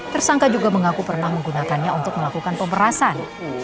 tersangka juga mengaku pernah menggunakannya untuk melakukan pemerasan